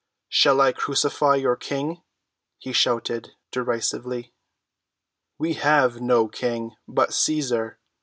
"Shall I crucify your King?" he shouted derisively. "We have no king but Cæsar!"